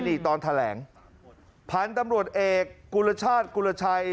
นี่ตอนแถลงพันธุ์ตำรวจเอกกุลชาติกุลชัย